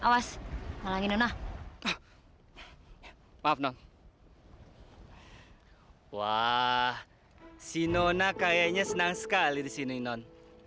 wah si nona kayaknya senang sekali di sini non